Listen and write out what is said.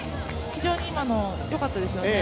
非常に今のよかったですよね。